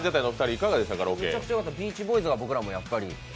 「ビーチボーイズ」は僕らもやっぱり。